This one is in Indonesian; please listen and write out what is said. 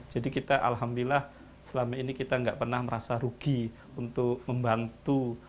jadi kita alhamdulillah selama ini kita gak pernah merasa rugi untuk membantu